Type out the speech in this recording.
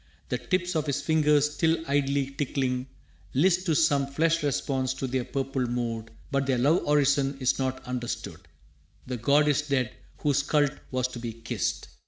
The tips Of his fingers, still idly tickling, list To some flesh response to their purple mood. But their love orison is not understood. The god is dead whose cult was to be kissed!